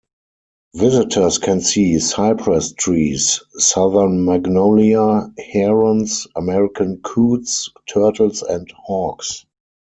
Visitors can see cypress trees, southern magnolia, herons, American coots, turtles and hawks.